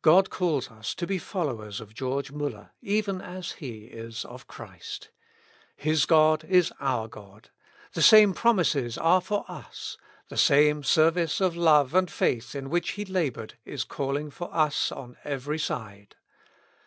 God calls us to be followers of George Muller, even as he is of Christ. His God is our God; the same promises are for us; the same service of love and faith in which he labored is calling for us on every side.